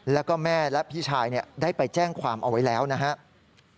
แล้วก็แม่และพี่ชายได้ไปแจ้งความเอาไว้แล้วนะครับ